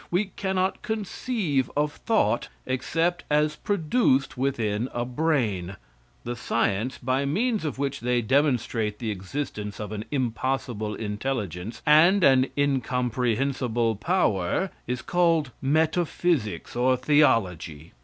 We cannot conceive of thought, except as produced within a brain. The science, by means of which they demonstrate the existence of an impossible intelligence, and an incomprehensible power, is called metaphysics or theology.